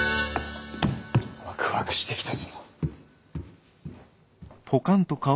ワクワクしてきたぞ。